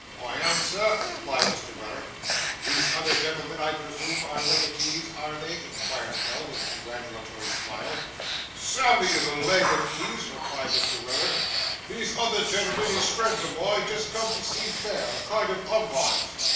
'I am, sir,' replied Mr. Weller. 'These other gentlemen, I presume, are legatees, are they?' inquired Pell, with a congratulatory smile. 'Sammy is a leg at ease,' replied Mr. Weller; 'these other gen'l'm'n is friends o' mine, just come to see fair; a kind of umpires.